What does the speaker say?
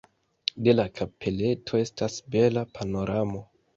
De la kapeleto estas bela panoramo.